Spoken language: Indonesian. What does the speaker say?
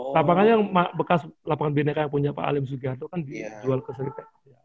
lapangannya yang bekas lapangan bineka yang punya pak aliem sugiharto kan dijual ke street tag